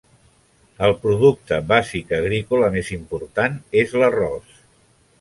El producte bàsic agrícola més important és l'arròs.